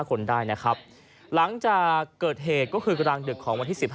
คนได้นะครับหลังจากเกิดเหตุก็คือกลางดึกของวันที่๑๕